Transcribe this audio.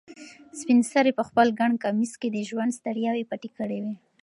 سپین سرې په خپل ګڼ کمیس کې د ژوند ستړیاوې پټې کړې وې.